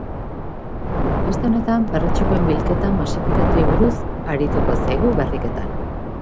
Aste honetan, perretxikoen bilketa masifikatuei buruz arituko zaigu berriketan.